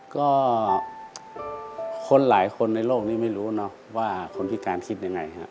ก็คนหลายคนในโลกนี้ไม่รู้เนอะว่าคนพิการคิดยังไงฮะ